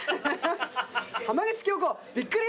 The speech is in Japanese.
浜口京子びっくり